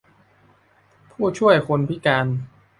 ผู้ช่วยคนพิการ